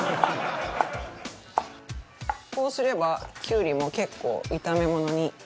こうすればきゅうりも結構炒めものにいけます。